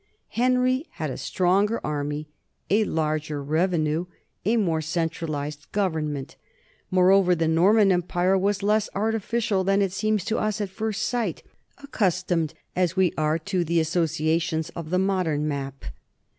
Henry had a stronger army, a larger revenue, a more centralized government. Moreover, the Norman empire was less artificial than it seems to us at first sight, accus tomed as we are to the associations of the modern map.